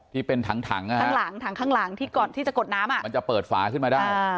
ที่เป็นถังข้างหลังที่จะกดน้ำมันจะเปิดฝาขึ้นมาได้